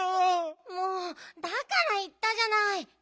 もうだからいったじゃない。